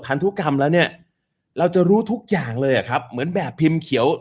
พันธุกรรมแล้วเนี่ยเราจะรู้ทุกอย่างเลยอ่ะครับเหมือนแบบพิมพ์เขียว